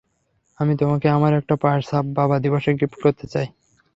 আমি তোমাকে আমার একটা পায়ের ছাপ বাবা দিবসে গিফট করতে চাই।